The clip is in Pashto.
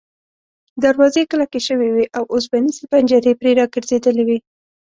دروازې یې کلکې شوې وې او اوسپنیزې پنجرې پرې را ګرځېدلې وې.